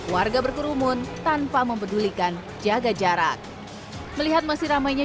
warga berkerumun tanpa mempedulikan